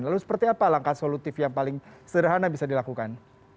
lalu seperti apa langkah solutif yang paling sederhana bisa dilakukan